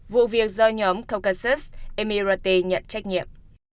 vụ việc do nhóm caucasus emirates nhận trách nhiệm